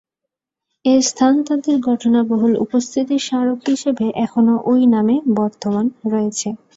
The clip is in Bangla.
এ স্থান তাদের ঘটনাবহুল উপস্থিতির স্মারক হিসেবে এখনও ওই নামে বর্তমান রয়েছে।